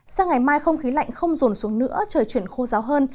sang ngày mai không khí lạnh không rồn xuống nữa trời chuyển khô ráo hơn